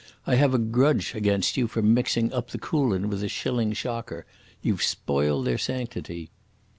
I have a grudge against you for mixing up the Coolin with a shilling shocker. You've spoiled their sanctity."